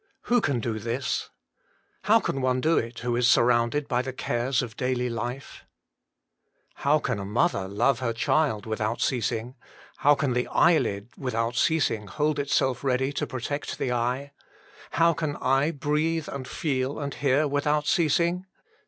Who can do this ? How can one do it who is surrounded by the cares of daily life ? How can a mother love her child without ceasing ? How can the eyelid without ceasing hold itself ready to protect the eye ? How can I breathe and feel and hear without ceasing